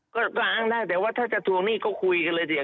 ก็ล้างได้แต่ว่าถ้าจะทวงหนี้ก็คุยกันเลยสิ